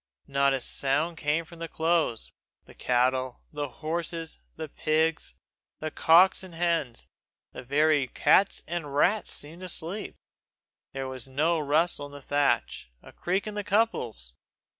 Not a sound came from the close. The cattle, the horses, the pigs, the cocks and hens, the very cats and rats seemed asleep. There was not a rustle in the thatch, a creak in the couples.